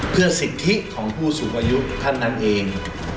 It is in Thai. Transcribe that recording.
เพื่อสิทธิของผู้สูงอายุท่านนั้นเอง